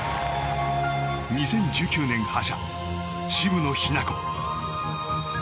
２０１９年覇者、渋野日向子。